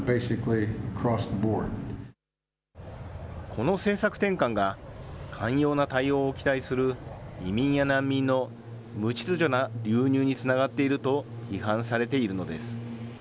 この政策転換が、寛容な対応を期待する移民や難民の無秩序な流入につながっていると批判されているのです。